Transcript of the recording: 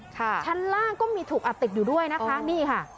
ชั้นล่างก็มีถูกอัดติดอยู่ด้วยนะคะนี่ค่ะ